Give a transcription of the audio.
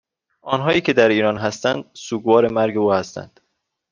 آنهایی که در ایران هستند سوگوار مرگ او هستند